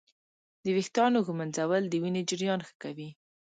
د ویښتانو ږمنځول د وینې جریان ښه کوي.